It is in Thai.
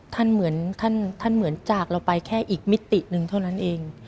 เหมือนท่านเหมือนจากเราไปแค่อีกมิติหนึ่งเท่านั้นเอง